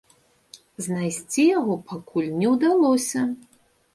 Знайсці яго пакуль не ўдалося.